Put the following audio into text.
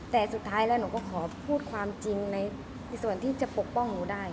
แต่สุดท้ายแล้วหนูก็ขอพูดความจริงในส่วนที่จะปกป้องหนูได้